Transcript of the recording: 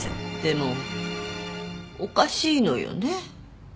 でもおかしいのよね。